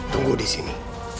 tunggu di sini